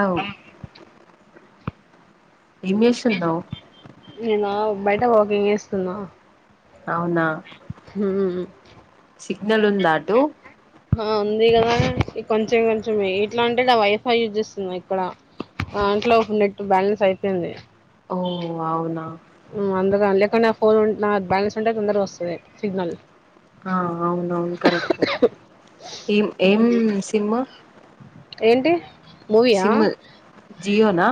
అవ్ ఏం చేస్తున్నావ్ నేనా బయట వాకింగ్ చేస్తున్నా అవునా ఉమ్మ్ సిగ్నల్ ఉందా అటు ఆ ఉంది కదా కొంచెం కొంచమే ఎట్లా అంటే ఇడ వైఫై యూజ్ చేస్తున్న ఇక్కడ దాంట్లో నెట్ బ్యాలెన్స్ అయిపోయింది ఓ కావున ఉమ్మ్ అందుగా లేకునా ఫోన్ నా బ్యాలెన్స్ ఉంటే తొందరగా వస్తాది సిగ్నల్ ఆ అవునవును కరెక్టే ఏం ఏం సిమ్ ఏంటి మూవీ యా సిమ్ జియోనా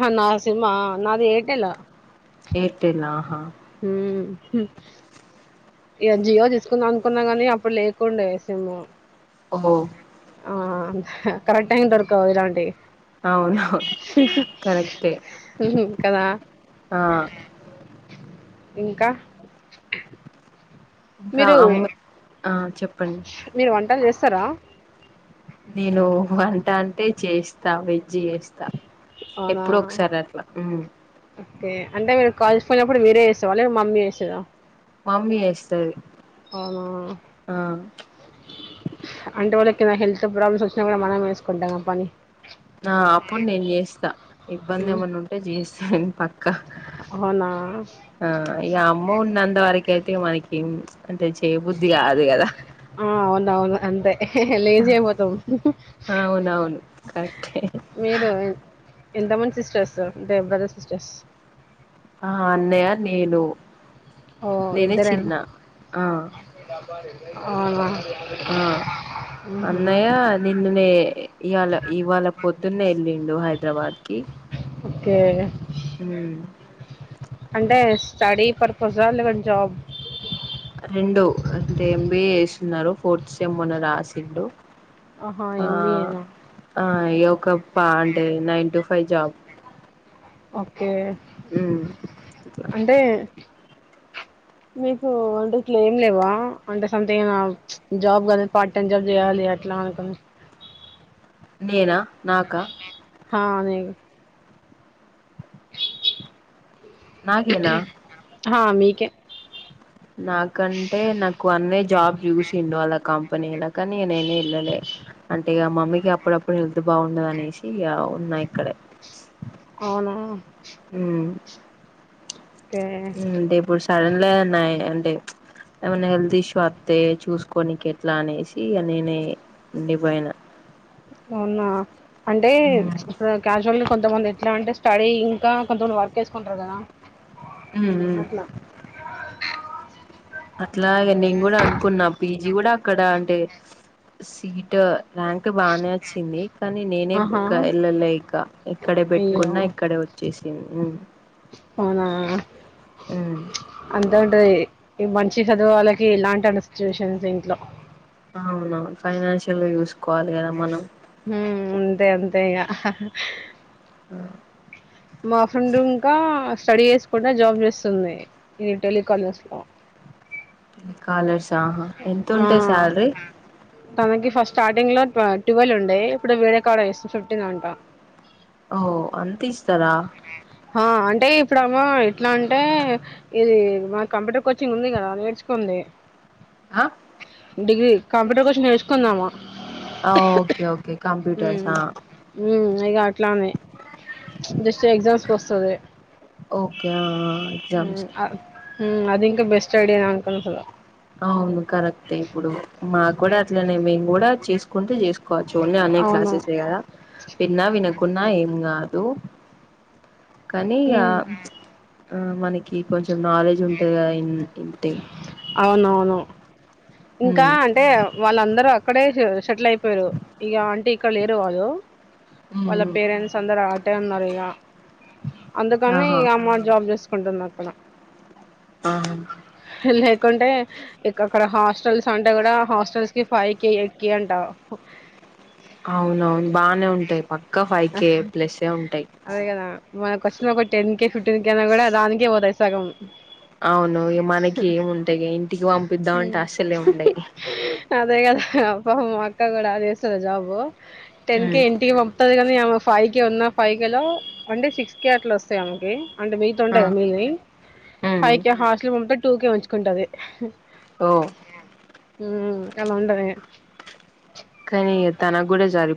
హా నా సిమా నాది ఎయిర్టెల్ ఏయిర్టెల్ ఆహా ఉమ్మ్ ఇగ జియో తీసుకుందాం అనుకున్నా గాని అప్పుడు లేకుండే సిమ్ ఓహో ఆ కరెక్ట్ టైంకి దొరకవు ఇలాంటియి అవునవును కరెక్టే మ్మ్ఉహ్మ్ కదా ఆ ఇంకా ఇంకా మీరు అమ్మ ఆ చెప్పండి మీరు వంటలు చేస్తారా నేను వంట అంటే చేస్తా వెజ్ చేస్తా అవునా ఎప్పుడో ఒకసారి అట్లా మ్ ఓకే అంటే మీరు కాలేజ్ పోయినప్పుడు మీరే చేసేవాళ్ల లేదా మమ్మీ చేసేదా మమ్మీ చేస్తాది అవునా అంటే ఎవళ్ళకైన హెల్త్ ప్రాబ్లమ్స్ వచ్చినా కూడా మనమే చేసుకుంటాం కదా పని ఆ అప్పుడు నేను చేస్తా ఇబ్బంది మ్మ్. ఏమన్నా ఉంటే చేస్తా నేను పక్కా అవునా ఆ ఇగ అమ్మ ఉన్నంతవరకు అయితే మనకి అంటే చేయబుద్ధి కాదు కదా ఆ అవునవును అంతే లేజీ అయిపోతం. అవునవును కరెక్టే మీరు ఎంతమంది సిస్టర్స్ అంటే బ్రదర్ సిస్టర్స్. ఆ అన్నయ్య నేను. ఓ నేనే ఇద్దరేనా చిన్న ఆ ఆ ఆ అన్నయ నిన్ననే ఇవాళ ఇవాళ పొద్దున్నే వెళ్ళిండు హైదరాబాద్ కి. ఓకే హ్మ్ అంటే స్టడీ పర్పసా లేదంటే జాబ్. రెండు అంటే ఎంబిఏ చేస్తున్నారు ఫోర్త్ సెమ్ మొన్న రాసిండు. ఆహా ఆ ఎంబీఏనా ఆ [unintelligible] అంటే nine to five job. Okay హ్మ్ అంటే మీకు వంటే ఇట్లా ఏం లేవా అంటే సంథింగ్ జాబ్ కానీ పార్ట్ టైమ్ జాబ్ చేయాలి అట్లా అనుకని నేనా నాకా హా నీకు నాకేనా హా మీకే నాకంటే నాకు అన్నే జాబ్ చూసిండు వాళ్ళ కంపెనీలా కానీ నేనే వెళ్ళలే అంటే ఇక మమ్మీకి అప్పుడప్పుడు హెల్త్ బాగుండదు అనేసి ఇగ ఉన్నా ఇక్కడే అవునా హ్మ్ కే అంటే ఇప్పుడు సడన్ గా ఉన్నాయి అంటే ఏమైన్నా హెల్త్ ఇష్యూ వస్తే చూసుకోనికి ఎట్లా అనేసి నేనే ఉండిపోయిన అవునా అంటే క్యాజువల్ గా కొంతమంది ఎట్లా అంటే స్టడీ ఇంకా కొంతమంది వర్క్ చేసుకుంటారు కదా హ్మ్ మ్మ్ అట్లా అట్లాగే నేను కూడా అనుకున్నా పీజీ కూడా అక్కడ అంటే సీట్ ర్యాంక్ బానే వచ్చింది కానీ నేనే ఆహా ఇక వెళ్ళలే ఇక ఇక్కడే అయ్యో పెట్టుకున్నా ఇక్కడే వచ్చేసింది అవునా ఉమ్ అంతే ఉంటది ఈ మంచి చదువే వాళ్ళకి ఇలాంటి అన్స్టిట్యేషన్స్ ఇంట్లో అవునవును ఫైనాన్షియల్ గా చూసుకోవాలి కదా మనం హ్మ్ అంతే అంతే ఇగ ఆ మా ఫ్రెండ్ ఇంకా స్టడీ చేసుకుంటా జాబ్ చేస్తుంది ఈ టెలి కాలర్స్ లో కాలర్సా ఎంత ఆ ఉంటాయి శాలరీ తనకి ఫస్ట్ స్టార్టింగ్ లో ట్వెల్వ్ ఉండే ఇప్పుడు వేరే కాలర్స్ జేస్తే ఫిఫ్టీన్ అంటా ఓ అంత ఇస్తరా ఆ అంటే ఇప్పుడేమో ఎట్లా అంటే ఇది మన కంప్యూటర్ కోచింగ్ ఉంది కదా నేర్చుకోంది ఆ డిగ్రీ కంప్యూటర్ కోర్షి నేర్చుకుందామా. అ ఓకే ఓకే కంప్యూటర్స్ ఉమ్ అ. ఉమ్ ఇగ అట్లానే. జస్ట్ ఎగ్జామ్స్కి కోస్తది ఓకే ఆ ఆ, ఉమ్ ఎగ్జామ్స్ అ. ఉమ్ అదింకా బెస్ట్ ఐడియా అంకుల్ హులో. అవును కరెక్ట్ ఇప్పుడు మాకు గూడా అట్లనే మేము గూడా చేసుకుంటే చేసు. కోవచ్చు ఓన్లీ ఆన్లైన్ అవును క్లాసెస్ గద విన్నా వినకున్నా ఏం గాదు. కానీ ఇగా ఉమ్ ఆ మనకి కొంచెం నాలెడ్జ్ ఉంటాది ఇన్ ఇన్. టి. అవునవును. ఇంకా ఉమ్ అంటే వాళ్ళందరూ అక్కడే సే సెటిల్ అయిపోయారు ఇక ఆంటే ఇక్కడ లేరు వాళ్ళు. ఉమ్ వాళ్ళ ఉమ్, పేరెంట్స్ అందరు ఆటే ఉన్నారు ఇగా. అందుకని ఆహా ఇ అమ్మ జాబ్ జేసుకుంటుంది అక్కడ. ఆహ. లేకుంటే ఇక అక్కడ హాస్. అసల్ సండే గుడా హాస్టల్స్ కి ఫైయి కీ ఎయిట్ కే అంటా హు. అవున అవును బానే ఉంటాయి పక్క ఫైయి కే ప్లసే ఉంటాయి. అదే కదా మన question paper ten K fifteen K ఐనా కూడా దానికే వోతాయ్ సగం. అవును ఇగ మనకేముంటాయి ఇంటికి పంపిద్దాం అంటే హ్మ్. అస్సలే ఉండయి. అదే కదా పాపం మా అక్క కూడా చేస్తాది జాబు టెన్ కే ఉమ్ ఇంటికి వమ్. వొత్తది కానీ ఆమె ఫైయి కేే ఉన్న ఫైయి కేేలో అంటే సిక్స్ కేే అట్లా ఓస్తాయి ఆమెకి అంటే మీ. తుండే ఆ గద మీది ఉమ్ ఫైయి కే హాస్టల్కి పోతే టూ కే ఉంచుకుంటది. ఓ. హ్మ్ అలా ఉండదే. కనీ తనగుడ జరి.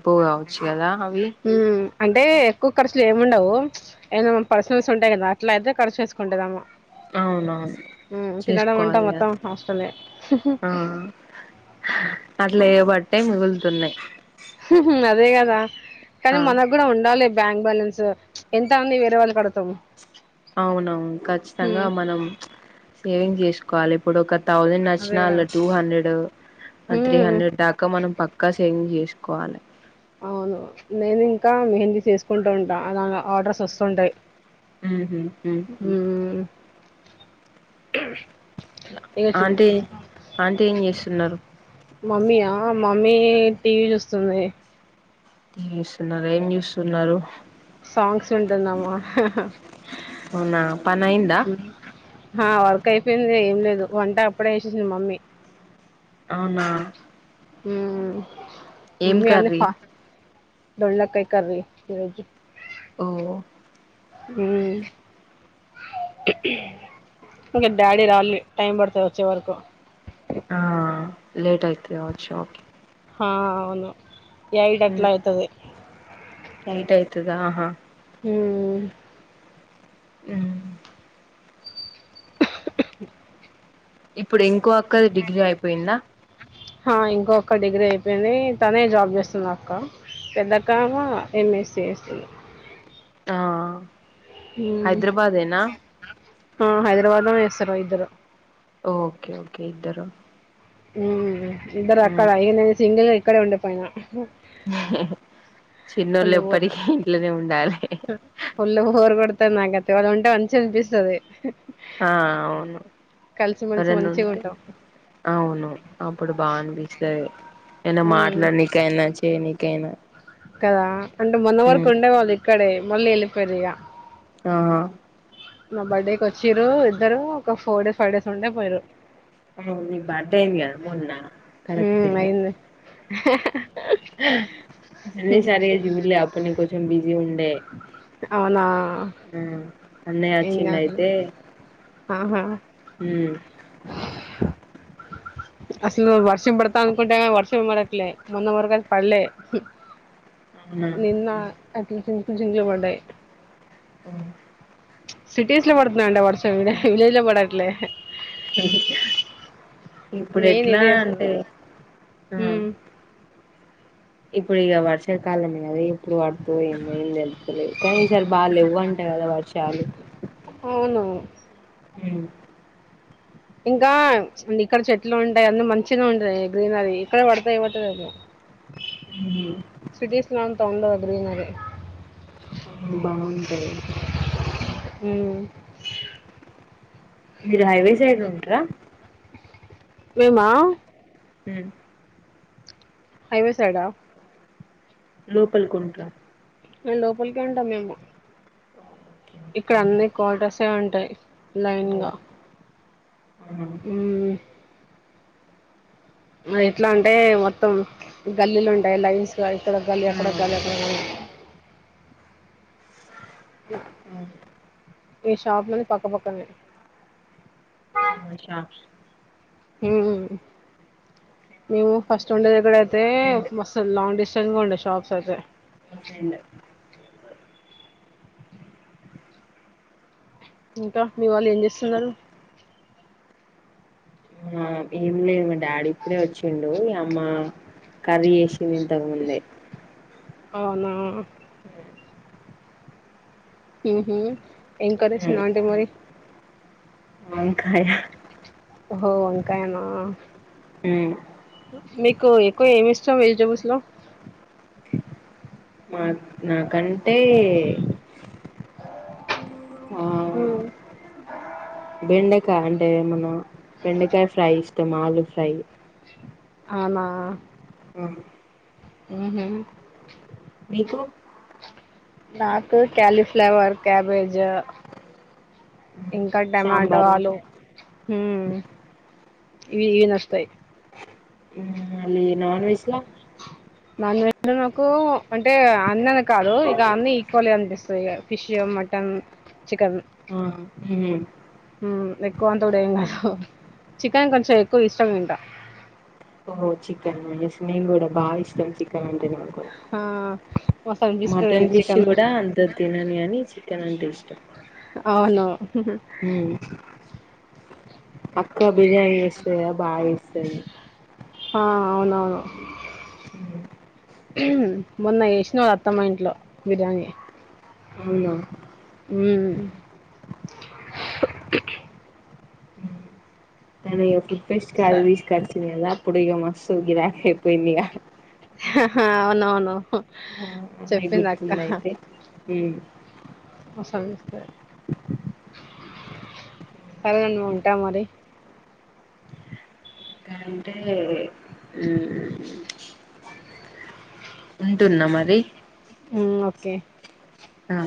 ఉమ్. అంటే ఎక్కువ కర్సులు ఏముండవు ఏద మ పర్సనల్స్ ఉంటాయి కదా అట్లా అయితే కర్సుసేసుకుంటది అమ్మ. అవునవును ఉ తినడం అంటా చేసుకోవాలి కదా మొత్తం హాస్టల్ లే. ఆ అట్లా ఏబట్టే మిగులుతున్నాయ్. అదే గదా కానీ ఆ మనగూడా ఉండాలే. బ్యాంక్ బ్యాలెన్స్ ఎంత అని వేరే వాళ్ళుకు అడుగుతాం. అవునవును ఖచ్చితంగా మనం సేవింగ్ చేసు. కోవాలి ఇప్పుడు ఒక థౌజండ్ అచ్చిన అదేగా అంల్లా టూ హండ్రెడ్ ఆ త్రీ హ్మ్ హండ్రెడ్ దాకా మనం పక్క. అక్క సేవింగ్ జేసుకోవాలి. అవును నేను ఇంకా మెహందీ చేసుకుంటూ ఉంటా అలా ఆర్డర్స్ ఓస్తుంటాయి. ఉహు హు. ఉమ్. ఆంటీ ఆంటీ ఏం జేస్తున్నారు. మమ్మీయా మమ్మీ టీవీ జూస్తుంది. టీవీ జూస్తున్నార ఏం జూస్తున్నారు. సాంగ్స్ వింటుఅమ్మ. అవునా పని అయిందా హ అయిపోయింది ఏం లేదు వంట అప్పుడే యేసేసింది మమ్మీ. అవునా. ఏం ఉమ్ అన్నీ కర్రీ ఫా. దొండకాయ్ కర్రీ ఈ రోజు. మ్ మ్ ఇంకా డాడీ రాలే టైం పడుతుంది వచ్చే వరకు ఆ లేట్ అయితుది వచ్చ ఓకే హా అవును ఏయిట్ అట్ల అవుతది నైట్ అయితదా ఆహా మ్ మ్ ఇప్పుడు ఇంకో అక్కది డిగ్రీ అయిపోయిందా ఆ ఇంకొక అక్క డిగ్రీ అయిపోయింది తనే జాబ్ చేస్తుంది అక్క పెద్దక్క ఏమో ఎంఎస్ససి చేస్తుంది ఆ మ్ హైదరాబాదేనా ఆ హైదరాబాద్లోనే చేస్తారు ఇద్దరు ఓకే ఓకే ఇద్దరు మ్ ఇద్దరు అక్కడ ఇక నేను సింగిల్గా ఇక్కడే ఉండిపోయినా చిన్నోళ్ళ ఎప్పటికి ఇంట్లోనే ఉండాలి ఫుల్లుగా బోరు కొడతాంది నాకైతే వాళ్ళ ఉంటే మంచి గా అనిపిస్తది ఆ అవును కలిసి మలిసి ఎవరన్నా మంచిగా ఉంటే ఉంటాం అవును అప్పుడు బా అనిపిస్తంది ఏన్న ఉమ్ మాట్లాడ నీకైనా చేయ నీకైనా కదా అంటే మొన్న వరకు ఉండేవాళ్ళు ఇక్కడే మళ్ళీ వెళ్ళిపోయరు ఇక ఆ మా బర్త్డేకి వచ్చిరు ఇద్దరు ఒక ఫోర్ డేస్ ఫైవ్ డేస్ ఉండిరు పోయిరు ఆ ని బర్తడే గా మొన్న కరెక్టే ఉమ్ అయింది అన్నసరగా చూలే అప్పుడు నేను కొంచెం బిజీ ఉండే అవునా ఆ అన్నయ్య ఏం వచ్చిండు చేద్దాం అయితే ఉమ్ హ అసలు వర్షం పడతా అనుకుంటే కానీ వర్షం పడట్లే మొన్న వరకు అది పడలే అవునా నిన్న అట్లా చినుకులు చినుకలు పడ్డాయ్ మ్ సిటీస్ లో పడుతున్నాయంట వర్షం విలేజ లో పడట్లే ఇప్పుడు మెయిన్ ఎట్లా ఇదే అసలు అంటే ఆ ఉమ్ ఇప్పుడు ఇక వర్షాకాలం కది ఎప్పుడు పడతాయో ఏమో ఏం తెలుత్తలేదు కానీ ఈసారి బాగా లేెవ అంట కదా వర్షాలు అవును మ్ ఇంకా ఇక్కడ చెట్లు ఉంటాయి అన్ని మంచిగా ఉంటాయి కదా గ్రీనరీ ఇక్కడే పడతాయ్ ఏమో మ్ సిటీీస్ లో అంత ఉండదు గ్రీనరి బాగుంటాయి మ్ మీరు హైవే సైడ్ ఉంటరా మేమా హ్మ్ హైవేసైడా లోపలి కుంట్రా మేము లోపలికేంటాం మేము ఓకే ఓకే ఇక్కడ అన్ని కాటర్సే ఉంటాయి లైన్ గా ఆ మ్మ్ మయి ఎట్లా అంటే మొత్తం గల్లీలు ఉంటాయి లైన్స్ గా ఇక్కడ గల్లి అక్కడ ఆ గల్లి అక్కడ డ అవును ఈ షాప్ లని పక్కపక్కనే షా హుమ్ మేము ఫస్ట్ ఉండేదగ్గడ అయితే ఫ్రెండ్ మస్తు లాంగ్ డిస్టెన్స్గా ఉండే షాప్స్ అయితే మా ఫ్రెండ్ ఇంకా మీ వాళ్ళు ఏం చేస్తున్నారు ఆ ఏమి లేదు మా డాడీ ఇప్పుడే వచ్చిండు ఇగ అమ్మ కర్రీ ఏషింది ఇంతకుముందే అవునా ఉహుం ఏం కర్రీ చేసింది అంటి మరి వంకాయ ఓహో వంకాయ నా ఉమ్ మీకు ఎక్కువ ఏమి ఇష్టం వెజిటబుల్స్ లో మాక్ నాకు నాకంటే ఆ ఉమ్. బెండకాయ అంటే ఏ మన బెండకాయ ఫ్రై ఇష్టం ఆలు ఫ్రై అనా ఆ ఉహుం మీకు నాకు కాలీఫ్లవర్ క్యాబేజ్ ఇంకా టమాటో సాంబార్ ఇంకా ఆలు హ్మ్ ఇవి నచ్చుతాయి హ్మ్ మళ్ళీ నాన్ వెజ్ ల నాన్ వెజ్ లో నాకు అంటే అన్నీవే కాదు ఇక అన్ని ఈక్వలే అనిపిస్తయి ఇగా ఫిష్ మ టన్ చికన్ ఆ హ్మ్ హ్మ్ ఎక్కువ అంత కూడా ఏం కాదు చికెన్ కొంచెం ఎక్కువ ఇష్టంగా తింట ఓ చికెన్ ఎస్ నేను కూడా బాగా ఇష్టం చికెన్ అంటే నాకు కూడా ఆ మస్త్ మటన్ అనిపిస్తది ఫిష్ చికెన్ కూడా అంత తినను కని చికెన్ అంటే ఇష్టం. అవును ఉమ్ ఎక్కువ బిర్యానీ చేస్తది కదా బాగా ఈస్తది ఆ అవునవును హ్మ్ మొన్న చేసిన వాళ అత్తమ్మ ఇంట్లో బిర్యానీ అవునా ఊ కని ఇక ఫుట్ ఫెస్ట్ కాడికి సరే తీసుకచింది కదా అప్పుడు ఇక మస్తు గిరాక్ అయిపోయింది ఇక హా హా అవునవును ఆవును మీక్ చెప్పింది అక్క గుర్తుంద అయితే మస్తు అనిపిస్తది సరే గని ఉంటా మరి అంటే ఊ ఉంటున్నా మరి హ్మ్ ఓకే ఆ